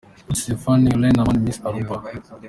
Anouk Stephanie Helen Eman, Miss Aruba.